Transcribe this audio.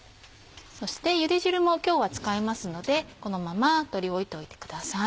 そしてゆで汁も今日は使いますのでこのまま取り置いといてください。